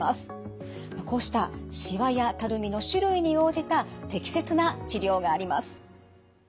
こうしたしわやたるみの種類に応じた適切な治療があります。